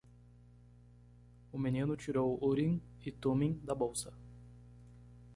O menino tirou Urim e Tumim da bolsa.